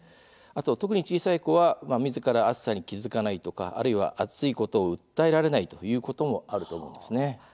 特に小さい子はみずから暑さに気付かないとかあるいは暑いことを訴えられないということもあります。